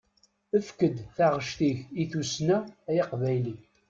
Efk-d taɣect-ik i tussna, ay aqbayli.